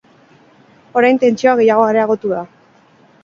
Orain tentsioa gehiago areagotu da.